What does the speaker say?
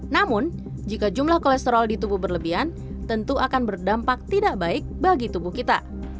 namun jika jumlah kolesterol di tubuh berlebihan tentu akan berdampak tidak baik bagi tubuh kita